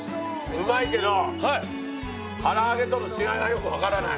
うまいけどから揚げとの違いがよくわからない。